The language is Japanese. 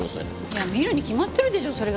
いや見るに決まってるでしょ。